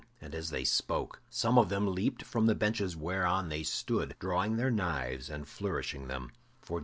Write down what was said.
And as they spoke, some of them leaped from the benches whereon they stood, drawing their knives and flourishing them.